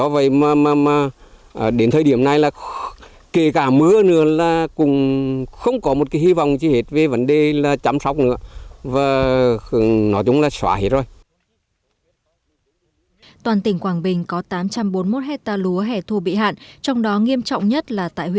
và nó đúng là xóa hết rồi